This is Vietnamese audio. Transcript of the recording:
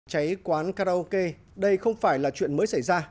cháy quán karaoke đây không phải là chuyện mới xảy ra